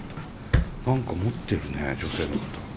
何か持ってるね女性の方。